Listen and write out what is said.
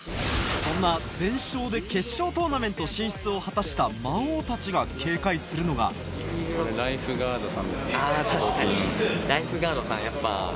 そんな全勝で決勝トーナメント進出を果たした魔王たちが警戒するのがあぁ